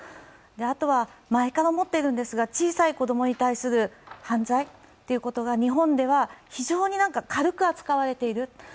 あとは、前から思っているんですが小さい子供に対する犯罪が日本では非常に軽く扱われている。